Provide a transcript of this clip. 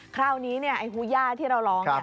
คราวนี้ไอ้ฮูย่าที่เราร้อง